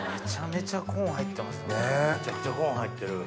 めちゃくちゃコーン入ってる。